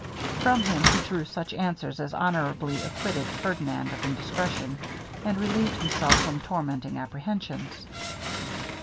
From him he drew such answers as honorably acquitted Ferdinand of indiscretion, and relieved himself from tormenting apprehensions.